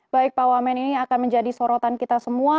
baik pak wamen ini akan menjadi sorotan kita semua